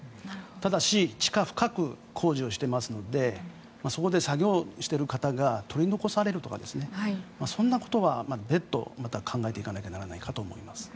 ただし、地下深く工事をしていますのでそこで作業している方が取り残されるなどそんなことは別途考えていかなきゃいけないかと思います。